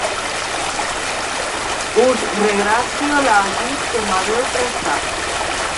Us regracio l'ajut que m'haveu prestat.